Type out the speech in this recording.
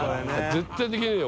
絶対できねぇよ